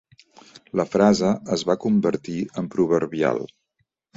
La frase es va convertir en proverbial.